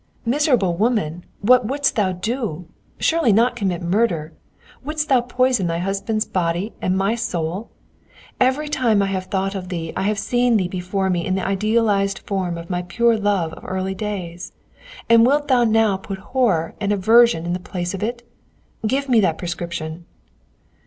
"Miserable woman, what wouldst thou do? Surely not commit murder? Wouldst thou poison thy husband's body and my soul? Every time I have thought of thee I have seen thee before me in the idealized form of my pure love of early days, and wilt thou now put horror and aversion in the place of it? Give me that prescription!"